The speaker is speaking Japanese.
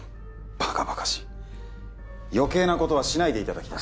ばかばかしい余計なことはしないでいただきたい